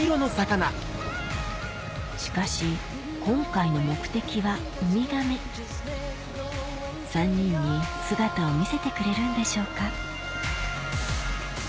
しかし今回の目的はウミガメ３人に姿を見せてくれるんでしょうか？